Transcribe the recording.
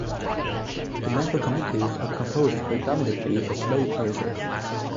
The member communities are composed predominately of laypersons.